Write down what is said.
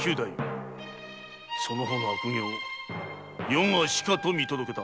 その方の悪行余がしかと見届けた。